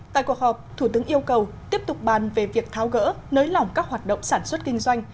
tại cuộc họp thủ tướng yêu cầu tiếp tục bàn về việc tháo gỡ nới lỏng các hoạt động sản xuất kinh doanh